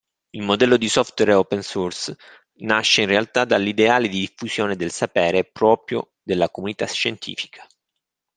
Il modello di software open source nasce in realtà dall'ideale di diffusione del sapere proprio della comunità scientifica.